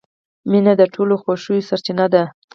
• مینه د ټولو خوښیو سرچینه ده.